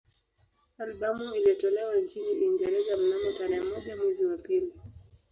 Albamu ilitolewa nchini Uingereza mnamo tarehe moja mwezi wa pili